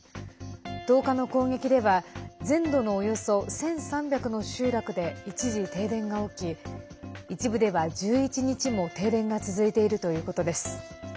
１０日の攻撃では全土のおよそ１３００の集落で一時停電が起き一部では１１日も停電が続いているということです。